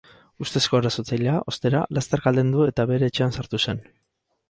Ustezko erasotzailea, ostera, lasterka aldendu eta bere etxean sartu zen.